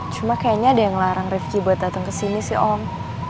cuman kayaknya ada yang larang rifki buat dateng kesini sih om